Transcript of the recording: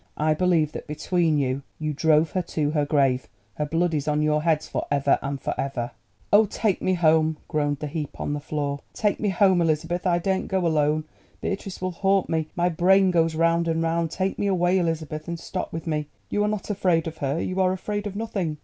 I believe that between you, you drove her to her grave. Her blood be on your heads for ever and for ever!" "Oh, take me home," groaned the Heap upon the floor—"take me home, Elizabeth! I daren't go alone. Beatrice will haunt me. My brain goes round and round. Take me away, Elizabeth, and stop with me. You are not afraid of her, you are afraid of nothing."